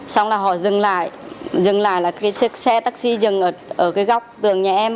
xong là họ dừng lại dừng lại là cái chiếc xe taxi dừng ở cái góc tường nhà em